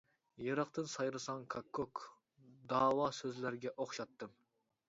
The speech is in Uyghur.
يىراقتىن سايرىسا كاككۇك، داۋا سۆزلەرگە ئوخشاتتىم.